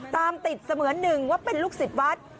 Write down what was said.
ตามติดเสมือนหนึ่งว่าเป็นลูกศิษย์วัด